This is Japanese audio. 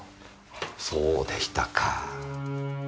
そうでしたか。